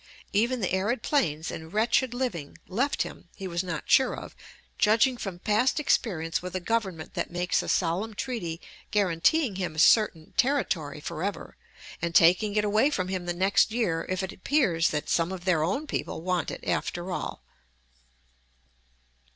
Even the arid plains and wretched living left him he was not sure of, judging from past experience with a government that makes a solemn treaty guaranteeing him a certain territory "forever," and taking it away from him the next year if it appears that some of their own people want it, after all.